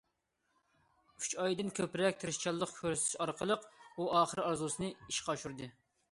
ئۈچ ئايدىن كۆپرەك تىرىشچانلىق كۆرسىتىش ئارقىلىق ئۇ ئاخىر ئارزۇسىنى ئىشقا ئاشۇردى.